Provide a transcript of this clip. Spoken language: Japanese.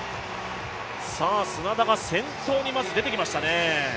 砂田が先頭にまず出てきましたね。